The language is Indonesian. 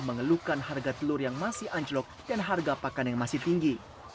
mengeluhkan harga telur yang masih anjlok dan harga pakan yang masih tinggi